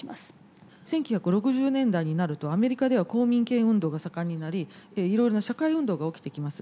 １９６０年代になるとアメリカでは公民権運動が盛んになりいろいろな社会運動が起きてきます。